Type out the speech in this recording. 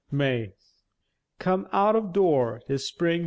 MAY Come out o' door, 'tis Spring!